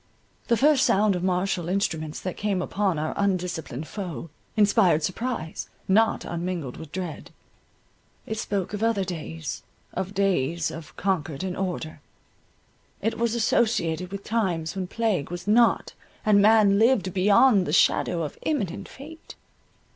The first sound of martial instruments that came upon our undisciplined foe, inspired surprise, not unmingled with dread. It spoke of other days, of days of concord and order; it was associated with times when plague was not, and man lived beyond the shadow of imminent fate.